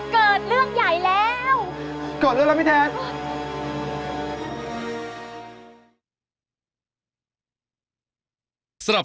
เกิดแล้วแม็บ